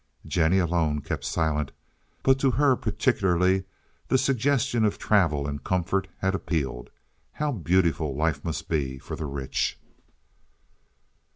Jennie, alone, kept silent, but to her particularly the suggestion of travel and comfort had appealed. How beautiful life must be for the rich!